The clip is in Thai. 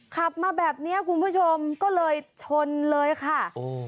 ขับมาแบบเนี้ยคุณผู้ชมก็เลยชนเลยค่ะโอ้